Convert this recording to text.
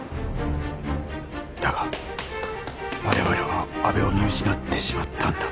だが我々は阿部を見失ってしまったんだ。